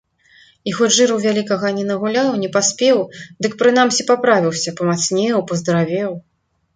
І хоць жыру вялікага не нагуляў, не паспеў, дык прынамсі паправіўся, памацнеў, паздаравеў.